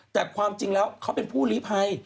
แต่ความจริงแล้วเขาเป็นผู้ลิภัย